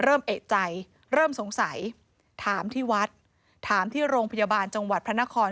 เริ่มเอกใจเริ่มสงสัยถามที่วัดถามที่โรงพยาบาลจังหวัดพระนคร